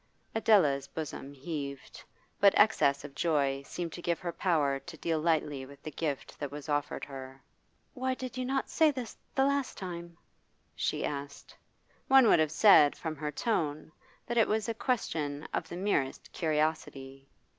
Adela's bosom heaved, but excess of joy seemed to give her power to deal lightly with the gift that was offered her. 'Why did you not say this the last time?' she asked. One would have said, from her tone, that it was a question of the merest curiosity.